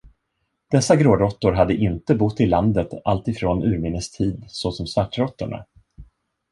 Dessa gråråttor hade inte bott i landet alltifrån urminnes tid såsom svartråttorna.